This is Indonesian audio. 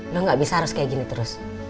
lo gak bisa harus kayak gini terus